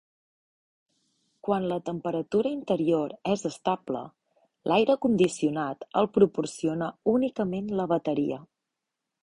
Quan la temperatura interior és estable, l'aire condicionat el proporciona únicament la bateria.